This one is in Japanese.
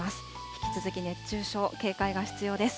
引き続き熱中症、警戒が必要です。